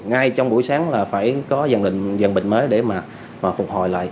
ngay trong buổi sáng là phải có dần bệnh mới để mà phục hồi lại